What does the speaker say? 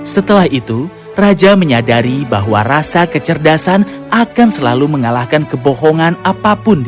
setelah itu raja menyadari bahwa rasa kecerdasan akan selalu mengalahkan kebohongan apapun